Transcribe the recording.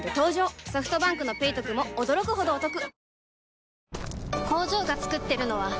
ソフトバンクの「ペイトク」も驚くほどおトク